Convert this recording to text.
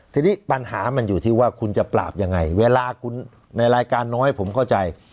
ทีนี้ปัญหามันอยู่ที่ว่าคุณจะปราบยังไงเวลาคุณในรายการน้อยผมเข้าใจ